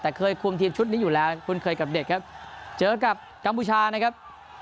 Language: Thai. แต่เคยคุมทีมชุดนี้อยู่แล้วคุ้นเคยกับเด็กครับเจอกับกัมพูชานะครับ